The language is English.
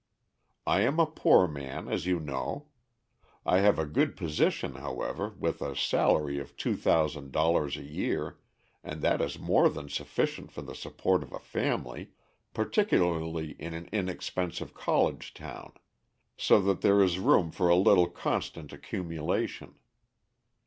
I am a poor man, as you know. I have a good position, however, with a salary of two thousand dollars a year, and that is more than sufficient for the support of a family, particularly in an inexpensive college town; so that there is room for a little constant accumulation.